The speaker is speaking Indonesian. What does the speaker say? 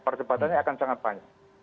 percepatannya akan sangat panjang